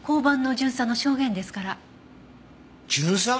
巡査？